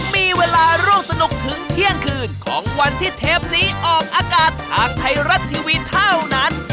มีเวลาร่วมสนุกถึงเที่ยงคืนของวันที่เทปนี้ออกอากาศทางไทยรัฐทีวีเท่านั้น